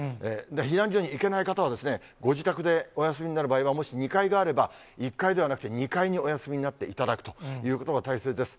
避難所に行けない方は、ご自宅でお休みになる場合は、もし２階があれば、１階ではなくて、２階にお休みになっていただくということが大切です。